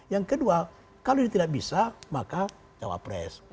yang kedua kalau ini tidak bisa maka cawapres